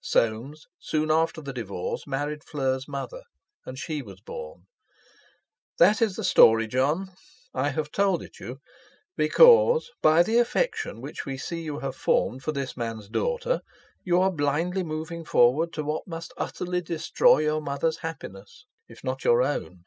Soames, soon after the divorce, married Fleur's mother, and she was born. That is the story, Jon. I have told it you, because by the affection which we see you have formed for this man's daughter you are blindly moving toward what must utterly destroy your mother's happiness, if not your own.